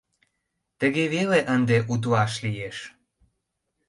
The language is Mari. Тыге веле ынде утлаш лиеш.